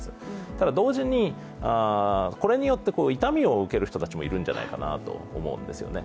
ただ同時に、これによって痛みを受ける人たちもいるんじゃないかなと思うんですよね。